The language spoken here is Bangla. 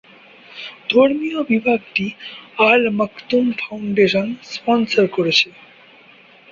ধর্মীয় বিভাগটি আল মাকতুম ফাউন্ডেশন স্পনসর করেছে।